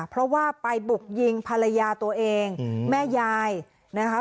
เพราะว่าไปบุกยิงภรรยาตัวเองแม่ยายนะคะ